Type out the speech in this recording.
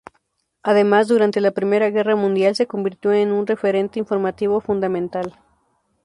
Además, durante la Primera Guerra Mundial se convirtió en un referente informativo fundamental.